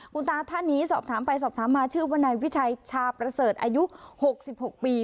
คุณตาท่านนี้สอบถามไปสอบถามมาชื่อว่านายวิชัยชาประเสริฐอายุ๖๖ปี